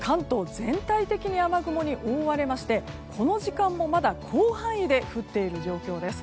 全体的に雨雲に覆われましてこの時間もまだ広範囲で降っている状況です。